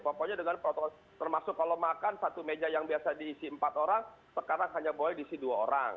pokoknya dengan protokol termasuk kalau makan satu meja yang biasa diisi empat orang sekarang hanya boleh diisi dua orang